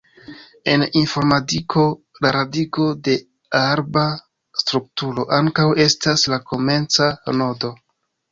En informadiko, la radiko de arba strukturo ankaŭ estas la komenca nodo.